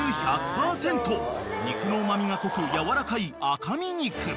［肉のうま味が濃くやわらかい赤身肉］